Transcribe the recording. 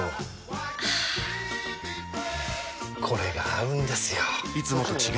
これが合うんですよ！